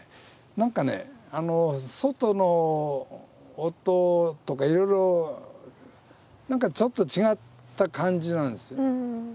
何かね外の音とかいろいろ何かちょっと違った感じなんですよ。